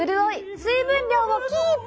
水分量をキープ！